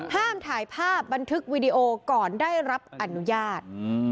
ห้ามถ่ายภาพบันทึกวีดีโอก่อนได้รับอนุญาต